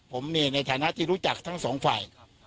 ผมในฐานะที่รู้จักทั้งสองฝ่าย